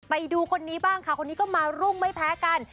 ไปดูคนนี้บ้างค่ะคนนี้ก็มารุ่งไม่แพ้กัน